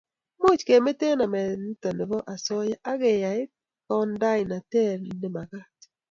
Much kemeto namet nitok nebo asoya akeyai kandoinantet ne magat